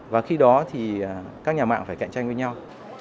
và khi đó thì các nhà mạng phải cạnh tranh với nhau